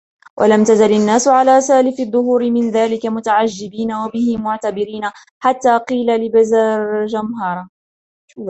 وَلَمْ تَزَلْ النَّاسُ عَلَى سَالِفِ الدُّهُورِ مِنْ ذَلِكَ مُتَعَجِّبِينَ وَبِهِ مُعْتَبِرِينَ حَتَّى قِيلَ لِبَزَرْجَمْهَرَ